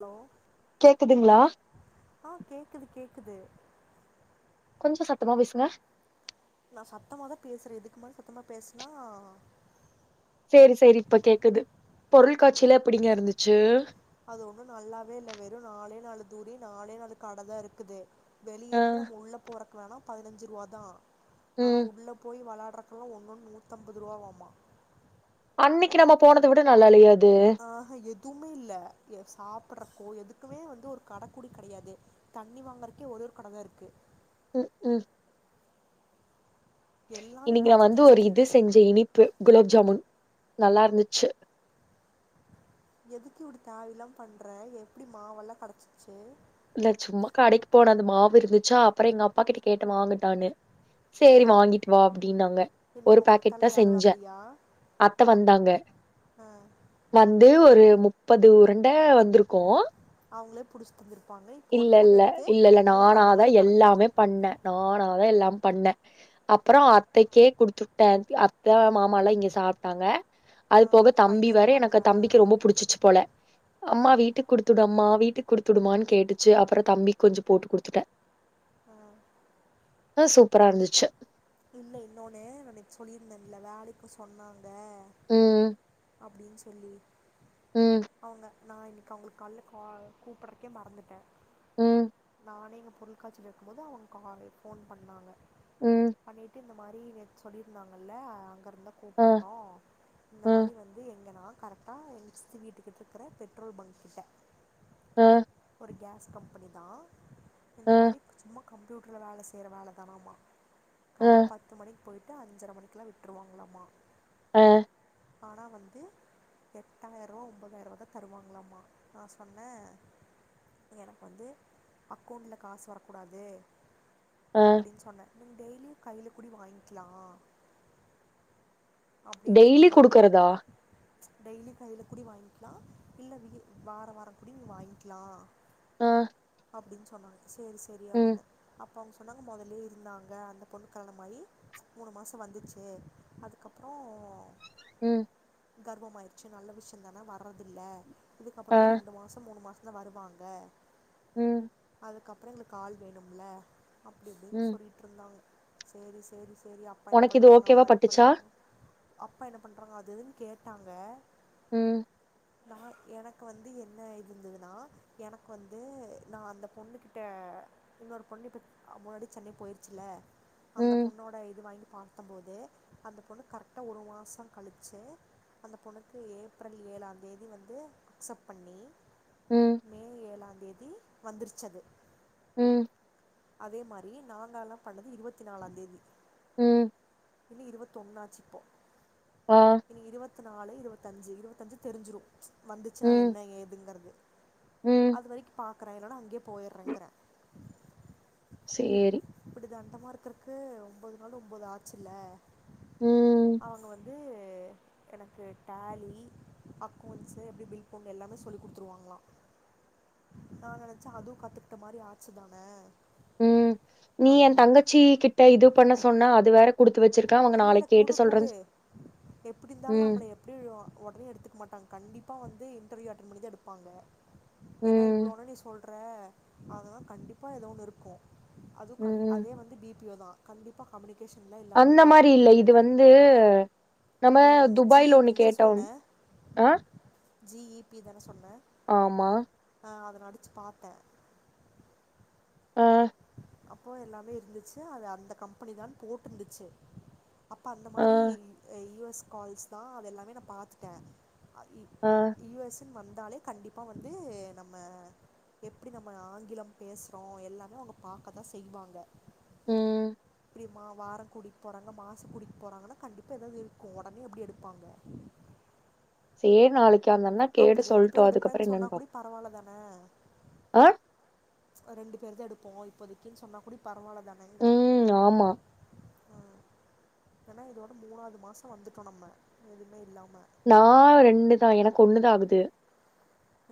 Hello கேக்குதுங்களா க்குது கொஞ்சோ சத்தமா பேசுங்க நா சத்தமாதா பேசுற இதுக்கு மேல சத்தமா பேசனா சேரி சேரி இப்ப கேக்குது பொருள் அது ஒண்ணு நல்லாவே இல்ல வெறு நாலே நாலு தூரி நாலே நாலு கட தா இருக்குது வெளிய ஆ இருந்து நம்ம உள்ளே போற வேணா பதினஞ்சி ரூவாதா ஆனா ம் உள்ள போய் வளாட் ட்ரக்கெல்லாம் ஒன்னு ஓன்னும் நூத்தம்பது ரூவா வாமா அன்னைக்கு நாம போனத விட நல்லா இல்லயே ஆ துமே இல்ல சாப்பிடறதுகோ எதுக்குமே வந்து ஒரு கட கூட கிடையாது தண்ணி வாங்கற்கே ஒரே ஒரு கட தான் இருக்கு ம் ம் எல்லாமே இன்னிக்கு நான் காசு வந்து ஒரு ஜாஸ்தி இது செஞ்சேன் இனி குலோப் ஜாமுன் நல்லா இருந்துச்சு எதுக்கு இப்டி தேவயில்லாம பண்ற எப்படி மாவெல்லாம் கடைச்சிச்சு இல்ல சும்மா கடைக்கு போனேன் அது மாவு இருந்துச்சா அப்புறம் எங்க அப்பா கிட்ட கேட்டேன் வாங்கடான்னு சேரி வாங்கிட்டு வா அப்படின்னாங்க ஒரு இன்னைக்கு உங்க பாக்கெட் அக்கால்லா தான் யாரு செஞ்சேன் வரலையா அத்த வந்தாங்க ஆ வந்து ஒரு முப்பது உருண்ட வந்திருக்கோம் அவுங்களே பிடிச்சு தந்துயிருப் இல்ல இல்ல இல்ல இல்ல மாதிரி நானாதான் கணக்கு எல்லாமே பண்ணேன் நானாதான் எல்லாம் பண்ணேன் அப்புறோம் அத்தைக்கே குடுத்துட்டேன் அத்த மாமாலாம் இங்க சாப்ட்டாங்க அது போக ஆம், தம்பி பையன் வேர இருக்கான்ல எனக்கு தம்பிக்கு ரொம்ப புடிச்சிச்சு போல அம்மா வீட்டுக்கு குடுத்துடு அம்மா வீ ட்டு கொடுத்துடுமா கேட்டு ச்சு அப்புறோம் தம்பிக்கு கொஞ்சம் போட்டு குடுத்துட்டேன் ம் து சூப்பரா இருந்துச்சு இல்ல இன்னொன்னு அன்னைக்கு சொல்லியிருந்தேன்ல வேலைக்கு சொன்னாங்க ம் அப்படின்னு சொல்லி ம் அவங்க நான் இன்னைக்கு அவுங்களுக்கு கால்ல கா கூப்பிட்றக்கே மறந்துட்டேன் ம் நானே இங்க பொருள்காட்சியில இருக்கும்போது அவுங்க காலே ஃபோன் பண்ணாங்க ம் பண்ணிட்டு இந்தமாரி நேத்து சொல்லிருந்தாங்கல்ல அங்க வந்தா ஆ கூப்பற்றோம் ஆ இந்தமாரி வந்து எங்கனா கரெக்ட்டா எங்க சித்தி வீட்டுக்கு எதிர்பர பெட்ரோல் பங்க்கிட்ட அ கேஸ் கம்பெனித்தான் இந்த ஆ மாரி சும்மா கம்ப்யூட்டர்ல வேலை செய்ற வேல தானாமா ஆ காலல பத்து மணிக் போயி ட்டு அஞ்சர மணிக்கல்லா விட்ருவாங்களாமா ஆ ஆனா வந்து எட்டாயர்ரூவா ஒம்பதாயர்ரூவாதா தருவாங்களாமா. நா சொன்னே எனக்கு வந்து அக்கௌண்ட்ல காசு வரக்கூடாது ஆ அப்பிடின்னு சொன்னே நீங்க டெய்லியு கைல கூடியு வாங்க்கிலா டெய்லி குடுக்கறதா? டெய்லி கைல கூடியு வாங்க்கிலா இல்ல விகி வார வார கூடியு நீ வாங்க்கிலா ஆ அப்டின் சொன்னாங்க செரி செரி ம் அப்பிடின்னே அப் ப அவங்க சொன்னாங்க மொதல்லயே இருந்தாங்க அந்த பொண்ணுக்கு ஆன மாரி மூணு மாசோ வந்துச்சு அது க்கப்புறோ ம் கர்ப்பமாயிருச்சு நல்ல விஷயந்தான வர்றதில்ல ஆ இதுக்கப்புறமு ரெண்டு மாசோ மூணு மா சோ வருவாங்க ம் அதுக்கப்புற எங்களுக்கு ஆள் வேணும்ல அப்டி இப்டின்னு ம் சொல்லிட்டுருந்தாங்க சேரி சேரி சே ரி அப்பா என்ன உனக்கு இது பண்றாங்க, ஓகேவா அம்மா என்ன பட்டுச்சா பண்றாங்க அப்பா என்ன பண்றாங்க அது இதுன்னு கேட்டாங்க ம் நா எனக்கு வந்து என்ன இருந்துதுன்னா எனக்கு வந்து நா அந்த பொண்ணுகிட்ட இன்னொரு பொண்ணு இப்ப ஆ முன்னாடி சென்னை போயிருச்சில்ல அந்த ம், பொண்ணோட இது வாங்கி பாத்தம்போது அந்த பொண்ணு கரெக்டா ஒரு மாசோ கழிச்சு அந்த பொண்ணுக்கு ஏப்ரல் ஏழாந்தேதி வந்து அக்சப்ட் பண்ணி ம் தேதி வந்துருச்சு அது ம் அதே மாரி நாங்க எல்லா பண்ணது இருவத்தி நாலாந் தேதி ம் இன்னு இருவத்தொன்னாச்சு இப்போ ஆ, இனி இருவத் த்துநாலு இருவத்தஞ்சி இருவத்தஞ்சி தெரிஞ்சிரு வந்துச்சின்னா ம், என்ன ஏதுங்கறது ம். அது வரைக்கு பா க்கற இல்லனா அங்கேயே போயிறங்கிறே சேரி இது அந்த மாரி திரறக்கு ஒம்பது நாளு ஒம்பது ஆச்சி இல்ல ம், அவங்க வந் து எனக்கு டேலி அக்கௌண்ட்ஸு எப்பிடி பில் போங் எல்லாமே சொல்லி குடுத்துருவாங்களா நா நெனச்சா அதுவு கத்துக்கிட்ட மாரி ஆச்சிதான ம் நீ என் தங்கச்சி கிட்ட இது பண்ண சொன்னா அது வேற குடுத்து வச்சிருக்கேன். அவங்க இல்ல இல்ல நாளைக்கு கேட்டு குடு குடு சொல்றேன்னு சொ எப்பிடி இருந்தாலு ம், நம்மள எப்பிடி உடனே எடுத்துக்க மாட்டாங்க கண்டிப் ப்பா வந்து இன்டர்வியூ அட்டன் பண்ணிதா எடுப்பாங்க ஏன்னா ம், இவ்ளோன்னு நீ சொல் ற அதுதா கண்டிப்பாக ஏதோ ஒன்னு இருக்கு அதுவு கண் ம். அதே வந்து பி வியோதா கண்டிப்பா கம்யூனிகேஷன் அந்த மாரி இல்ல இது வந்து நம்ம நீ வந்து ஜி இ துபாய்ல பி ஒண்ணு ன்னு கேட்டோம் அ ஜிஈபி தான சொன்ன ஆமா ஆ அத நடிச்சி பாத்தே ஆ அப்போ எல்லாமே இருந்துச்சி அது அந்த கம்பெனிதா போட்டுருந்துச்சி அப்ப அந்த ஆ, மாரி யுஎஸ் கால்ஸ்தா அத எல்லாமே நா பாத்துட்டே ஆ வந்தாலே கண்டிப்பா வந்து நம்ம எப்பிடி நம்ம ஆங்கிலம் பேசுறோ எல்லாமே அவங்க பாக்கதா செய்வாங்க ம். லிமா வாரம் குடிக்க போறாங்க மாசம் குடிக்க போறாங்கன்னா கண்டிப்பா ஏதாவது இருக்கு உடனே எப்பிடி எடுப்பாங்க ஏ நாளைக் கே அந்த அண்ணா கேட்டு அப்டி ரெண்டு சொல்ட்டு பேர் அதுக்கப்புறோ எடுப்பேன்னு சொன்னா என்னன்னு கூட பாப்போ பரவால்ல தானே ஆ ரெண்டு பேருதா எடுப்போ இப்போதைக்குன்னு சொன்னா கூடி பரவாயில்ல தானேங்கிறே ம். ஆமா. ஆ ஏன்னா இதோட மூணாவது மாசோ வந்துட்டோ நம்ம எதுவுமே இல்லாம நா ரெண்டு தா எனக்கு ஒண்ணுதா ஆகுது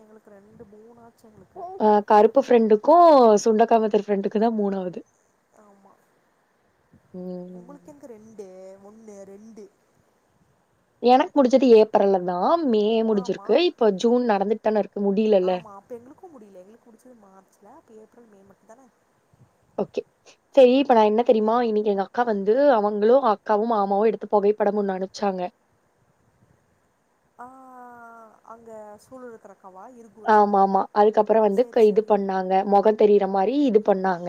எங்களுக்கு ரெண்டு மூணா ஆ கருப்பு ஃப்ரெண்டுக்கு ஸ் சுண்ட காமத்தர் ப்ரெண்டுக்கு தா மூணாவது ஆமா ம் உங்களுக்கு எங்க ரெண்டு முள்ளு ரெண்டு எனக்கு புடிச்சது ஏப்ரல்லதா ஆமா தான இருக்கு முடியலல்ல ஆமா அப்ப எங்களுக்கு முடியல எங்களுக்கு புடிச்சது மார்ச்ல ஏப்ரல் மே மட்டு இதான ஓகே சேரி இப்ப நா என்ன தெரியுமா இன்னக்கி எங்க அக்கா வந்து அவங்களு அக்காவு மாமாவு எடுத்து போகை பட மு ஒன்னு அமிச்சாங்க ஆ அங்க சூழ் இருக்கற ஆமா ஆமா அதுக்கப்புறோ வந்து சேரி க இது சேரி பண்ணாங்க முக தெரியற மாரி இது பண்ணாங்க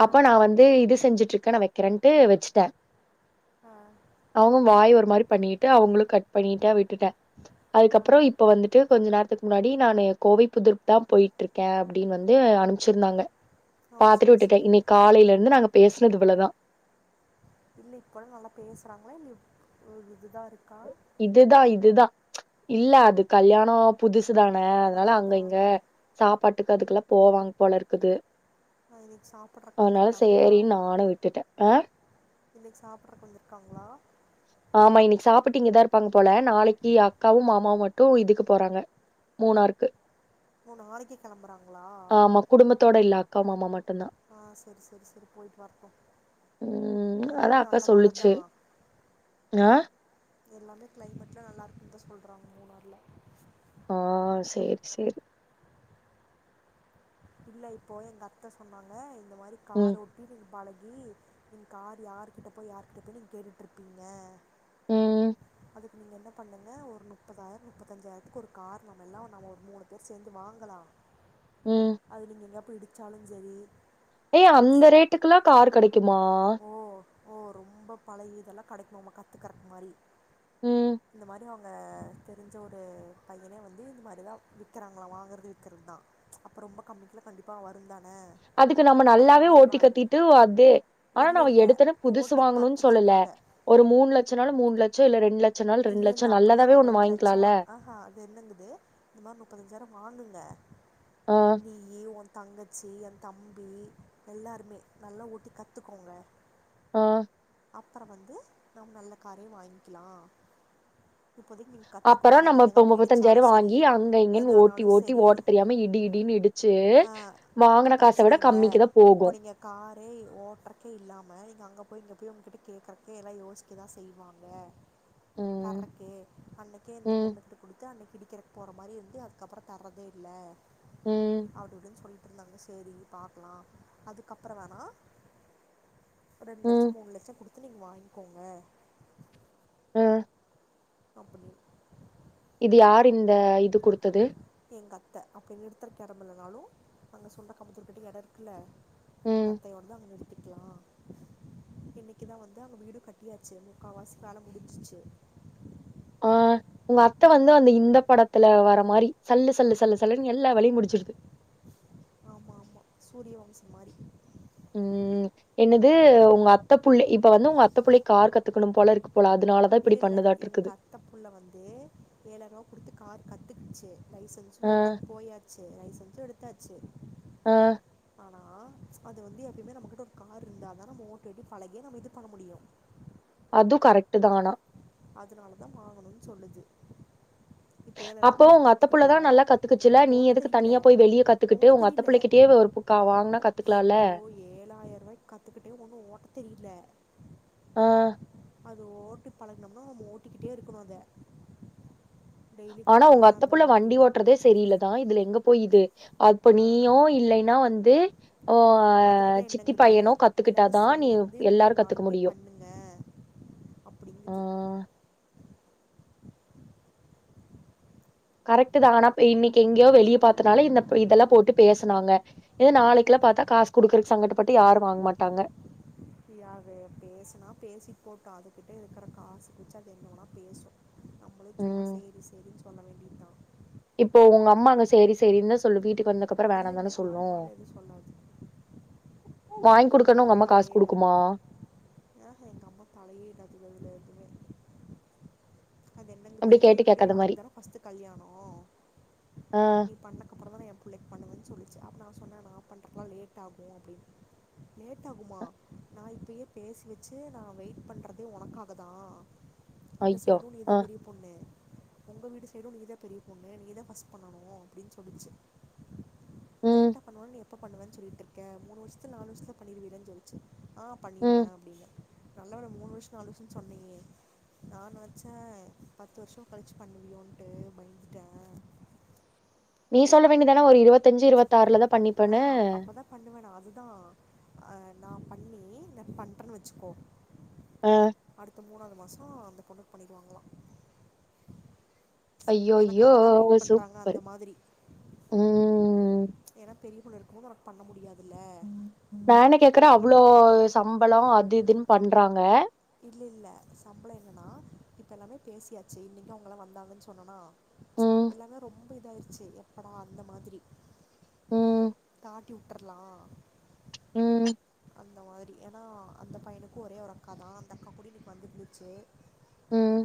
ஆ அப்ப நா வந்து இது செஞ்சுட்ருக் க்கன வக்கிறேன்ட்டு வச்சுட்டே ஆ அவங்க வாய் ஒரு மாரி பண்ணிட்டு அவங்களு கட் பண்ணிட்டு விட்டுட்டே ஆ அதுக்கப்புறோ இப்ப வந்துட்டு கொஞ்ச நேரத்துக்கு முன்னாடி நானு கோவை புதருக்கு தா போயிட்டு இருக்கே அப்டின்னு வந்து அனுச்சிருந்தாங்க ஓ பாத்துட்டு சேரி விட்டுட்டே சேரி இன்னக்கி காலைல இருந்து நாங்க பேசுனது இவ்ளதா இல்ல இப்போல்லா நல்லா பேசுறாங்களா இல்ல இதுதா இருக்கா இதுதா இதுதா இல்ல அது கல்யாணோ புதுசு குதானே அதனால அதா அங்க அதா இங்க அதா சாப்பாட்டுக்கு அதுக்கெல்லா போவாங்க போல இருக்குது ஆ இன்னைக்கு சாப்புட்றக்கு அதனால வந்திருக்காங்களா சேரின்னு நானு விட்டுட்டே ஆ இன்னக்கு சாப்பிட்றக்கு வந்துருக்காங்களா ஆமா இன்னக்கி சாப்ட்டீங்கதா இருப்பாங்க போல நாளக்கி அக்காவு மாமாவு மட்டு இதுக்கு போறாங்க மூணாருக்கு ஓ நாளைக்கே கிளம்புறாங்களா ஆமா குடும்பத்தோட இல்ல அக்கா மாமா மட்டுந்தா ஆ சரி சரி சரி போயிட்டு வர்டோ ம் அதா மூணார்லயு அக்கா நல்ல சொல்லுச்சு மழதா ஆ எல்லாமே கிளைமேட்லா நல்லா இருக்குன்னு தா சொல்றாங்க மூணார்ல ஓ சேரி சேரி இல்ல இப்போ எங்க அத்த சொன்னாங்க இந்த மாரி ம் காரோட்டி பாழ நீ கார் யார் கிட்ட போய் யாரு கிட்ட போ நீ கேட்டுட்டு இருப்பீங்க ம் நீங்க என்ன பண்ணுங்க ஒரு முப்பதாயிரம் முப்பத்தஞ்சாயிரத்துக்கு ஒரு கார் நம்ம எல்லா நம்ம ஒரு மூணு பேர் சேந்து வாங்கலா ம் அது நீங்க எங்கய போயிடிச்சாலு சரி ஏ அந்த ரேட்டுக்கெல்லா கார் கெடைக் கிமா ஓ ஓ ரொம்ப பழய இதெல்லா கெடைக்கு நம்ம கத்துக்கெர மாரி ம். இந்த மாதிரி அவுங் தெரிஞ்ச ஒரு பையனே வந்து இந்த மாரி தா விக்கிறாங்களா வாங்கிறது விற்கிறது தா அப்புற ரொம்ப கம்மிக்கில கண்டிப்பா வருந்தா அதுக்கு நம்ம நல்லாவே ஓட்டி கத்திட்டு அதே ஆனா இல்ல நாம இல்ல எடுத்தன புதுசு ஓட்டி வாங்கணுனு சொல்லல கத்துக்கறக்காக ஒரு மூணு லட்ச நாளு மூணு லட்ச இல்ல ரெண் லட் இல்ல இல்ல அப்டிதா ரெண்டு லட்ச ஆஹா அது இல்லெங்குது இத மாரி முப்பத்தஞ்சாயிரம் வாங்குது ட ஆ, நீ இ ஒன் தங்கச்சி எ தம்பி எல்லாருமே நல்லா ஓட்டி கத்துக்கோங்க அ அப்பற வந்து நம் நல்ல காரையு வாங்கிக்கலா இப்போதைக்கு நீங்க கத்துக் கோங்க அப்புறம் நீங்கள் நம்ம எங்கெ இப்ப நாளு இடிச்சாலு சரி வாங்கி அங்க இங்கன்னு ஓட்டி எதாலு ஓட்டி சரி ஓட்டத் தெரியாம இடி இடின்னு இடிச்சு, ஆ அப்போ வாங்குன காச பிரச்சன விட இல்ல கம்மிக்கு தான் இப்போ போகும். நீங்க காரே ஓட்டுறகே இல்லாம நீங்க அங்கே போ போய்ங்கப் நீ அவுங்ககிட்ட கேக்குறதுக்கு எல்லா யோசிக்கதா செய்வாங்க ம், தர்றக்கே அன்னைக்கே இந்த ம், பொண்ணு கிட்ட குடுத்து அன்னைக் இடிக்கிற போற மாரி இருந்து அதுக்கப்பறம் தர்றதே இல்ல ம், அப்டி இப்டின்னு சொல்லிட்டு இருந்தாங்க சேரி பாக்கலா அதுக்கப்பற வேணா ரெண்லக் ம், மூணு லட்ச குடுத்து நீங்க வாங்கிக்கோங்க அ அப்டினு இது யார் இந்த இது குடுத்தது எங்க அத்த அப்டி நிறுத்த எட இல்லனாலு அவுங்க சொந்த காம்பாத்த எட இருக்குல்ல எங்க ம். அத்தையோடு தா வந்தது முடிக்கலா இன்னைக்குதா வந்து அங்க வீடு கட்டியாச்சு முக்கா வாசி வேல முடிஞ்சிச்சு ஆ உங்க அத்தை வந்து வந்து இந்த படத்துல வர மாரி சல்லு சல்லு சல்லுனு எல்லா வே ல யூ முடிச்சிருது சூரியவம்ச மாரி உ என்னது உங்க அத்த புள்ள இப்ப வந்து உங்க அத்த புள்ள கார் கத்துக்கணுபோல இருக் காரு போலாது இல்ல இல்ல எ கத்த புள்ள வந்து ஏழாயி ர குடுத்து கார் கத்துகிச்சு லைசன்ஸ் ஆ எடுக்கற்க்கு போயாச் சே லைசன்ஸு எடுத்தாச்சு ஆ ஆனா அது வந்து எப்பயுமே நம்மகிட்ட ஒரு கார் இருந்தா தா நம்ம ஓட்டி பழக நம்ம இது பண்ண முடியு அது கரெட் தா ஆனா அதுனாலதா வாங்கணும்ன்னு சொல்லுது இப்ப ஏழாயிரோ அப்போ குடுத்து உங்க அத்த புள்ள கத்துக்கிட்டோ தான் நல்லா கத்துக்குச்சுல்ல இப்ப நீ ஓட்ட எதுக்கு தெரியல தனியா போய் வெளிய கத்துக்கிட்டு ஓட்ட உங்க அத்த தெரியல புள்ளைகிட்டயே ஒரு புக்கா வாங்குனா ஜயோ கத்துக்கலால்ல. ஏழாயிர ரூபாய்க்கு கத்துக்கிட்டே ஒண்ணு ஓட்ட தெரியல ஆ அது ஓட்டி பழ னம்னோ நம்ம ஓட்டிக்கிட்டே இருக்கணு அத ஆனா உங்க அத்த புள்ள வண்டி ஓட்டுறதே சரியில்ல தா இதுல எங்க போயுது அப்ப நீயு இல்லைன்னா வந்து ஓ அதுக்குதா சித்தி என்னங்குது பையனோ எல்லாரு கத்துக்கிட்டாதான் நீ சேர்ந்து இந்த மாரி எல்லாரும் கத்துக்க வாங்கி முடியும். பண்ணுங்க அப்டிங்குது ஆ கரெக்ட் தா ஆனா இன்னைக்கு எங்கேயோ வெளியே பாத்தனால இந்த இதெல்லா போட்டு பேசுனாங்க இதே நாளைக்குலா பாத்தா காசு குடுக்கறக்கு சங்கட பட்டு யாரு வாங்க மாட்டாங்க ய பேசினா பேசிட்டு போட்டு அதுக்கிட்டே இருக்கிற காசு வச்சு அது எனன்னா பேசும் நம்மளு சும்மா ம் சேரி சேரி இப்போ உங்க அம்மா அங்க சரி சரி தா சொல்லு வீட்டுக்கு வந்த இல்லல்ல எங்க அம்மால எதுவு சொல்லாது வாங்கி எங்க அம்மா குடுக்கன்னு உங்க எல்லா காசு தலையே இடாது குடுக்குமா ஆ ஹ எங்க அம்மா தலையே இடாது அதுல எதும அது என்னங்குது அப்டி கேட்டு எப்டியு கேக்காத உனக்கு மாரி தான ஃபர்ஸ்ட்டு கல்யாணோ ஆ நீ பண்ணக்கப்புறந்தான எ பிள்ளைக் [unintelligible] பண்ணு சொல்லிச்சு அப்போ நா சொன்னே நா பண்றதுலா லேட் ஆகு அப்டினு லேட் ஆகுமா நா இப்பயே பேசி வச்சு நா வெயிட் பண்றதே உனக்காகதா இந்த ஐயோ சைடு நீதா ஆ பெரிய பொண்ணு உங்க வீடடு சைடு நீதா பெரிய பொண்ணு நீதா ஃபர்ஸ்ட் பண்ணனு அப்டின்னு சொல்லிச்சு ம் லேட்டா பண்ணுவோ நீ ப்ப பன்னவேனு சொல்லிட்ருக்க மூண வருஷத்ல நாலு வருஷத்தில பண்ணிருவலேன்னு கேட்டுச்சு ஆ ம் பண்ணிருவே அப்டினே நல்ல வேல மூணு வருஷோ நாலு வருஷம்னு சொன்னீயே நா நனைச்சே பத்து வருஷோ கழிச்சு பண்ணுவியோன்ட்டு பயந்துட்டே நீ சொல்ல வேண்டியதான ஒரு இருவத்திஞ்சு இருவத்தி ஆறுல தா ஆ அப் அப்பதா பண்ணுவே நா அதுதான் ஆ நான் பண்ணி நா பண்றன்னு வச்சிக்கோ ஆ மூணாவது மாசம் அந்த பொண்ணுக்கு பண்ணிருவாங்களா ஐயோ ஐயோ சூப்பரு அந்த மாதிரி உம் ஏன்னா பெரிய பொண்ணு இருக்குமோது ஒனக்கு பண்ண முடியாது இல்ல ம் நா என்ன கேக்கறே அவ்ளோ சம் பளம் அது இதுன்னு பண்றாங்க இல்ல இல்ல சம்பளம் என்னன்னா இப்ப எல்லாமே பேசியாச்சி இன்னைக்கும் அவங்கல்லா வந்தாங்கன்னு சொன்னனா ம் எல்லாமே ரொம்ப இதாயிருச்சி எப்படா அந்த மாதிரி ம் தாட்டி உட்டர்லாம் ம் அந்த மாதிரி ஏன்னா அந்த பையனுக்கு ஒரே ஒரு அக்காதா அந்த அக்கா கூடி இன்னைக்கு வந்து இருந்துச்சி ம்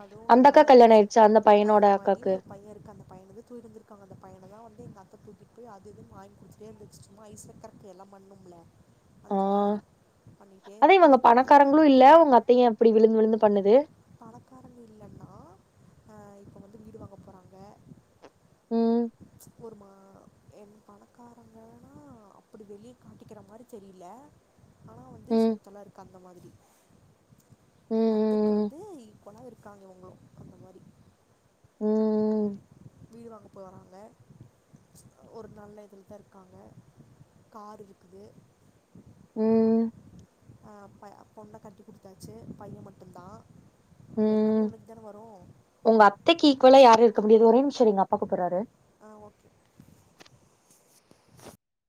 அதுவும் அந்த இதாதா அக்காக்கு கல்யாண இருந்துச்சி ஆயிடுச்சா அந்த பையனோட கல்யாணமாகி அக்காக்கு ஒரு பைய இருக்காங்க பையனுதா தூக்கிட்டு வந்துருக்காங்க அந்த பையனதா வந்து எங்க அத்த தூக்கிட்டு போயி அது இதுன் வாங்கி குடுத்துட்டே இருந்துச்சி சும்மா ஐஸ் வக்கறக்கு எல்லா பண்ணும் இல்ல ஆ அதா இருக்குது இவங்க பணக்காரங்களும் இல்ல உங்க அத்தை ஏன் அப்டி விழுந்து விழுந்து பண்ணுது பணக்காரங்க இல்லன்னா ஆ இப்போ வந்து வீடு வாங்க போறாங்க ம் ஒரு மா என் பணக்காரங்கன்னா அப்டி வெளிய காட்டிக்கிற மாரி தெரியல ஆனா வந்து ம் சொத்துலா இருக்கு அந்த மாதிரி எங்க அத்தைக்கு ம் வந் ம் து இப்போல இருக்காங்க ஒங்க அந்த மாரி ம் வீடுவாங்க போறாங்க ஒரு நல்ல இதுலத இருக்காங்க காரு இருக்குது ம் ஆ பை பொண்ண கட்டி குடுத்தாச்சி பைய மட்டுந்தா இப்ப எல்லாமே உனக்கு தான வரும் ஒங்க அத்தைக்கு ஈக்குவலா யாரு இருக்க முடியாது ஒரே நிமி சரி எங்க அப்பா கூப்பறாரு ஆ ஓகே